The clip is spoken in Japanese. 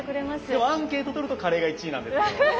でもアンケートとるとカレーが１位なんですよ。